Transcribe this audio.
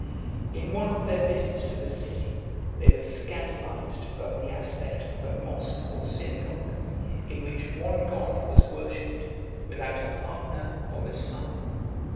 73 In one of their visits to the city, they were scandalized by the aspect of a mosque or synagogue, in which one God was worshipped, without a partner or a son.